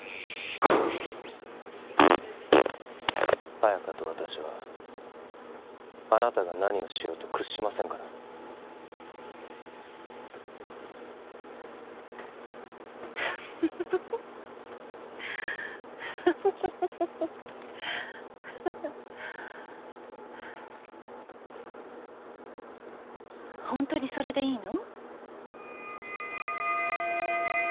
綾華と私はあなたが何をしようと屈しませんからフフフフッフフフフホントにそれでいいの？